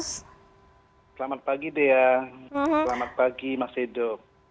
selamat pagi dea selamat pagi mas edo